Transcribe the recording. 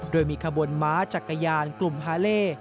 โดยมีข้าวหลามม้าจักรยานกลุ่มฮาเล